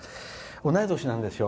同い年なんですよ。